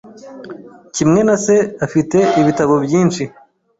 Kimwe na se, afite ibitabo byinshi.